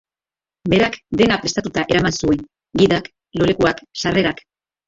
Berak dena prestatuta eraman zuen; gidak, lolekuak, sarrerak...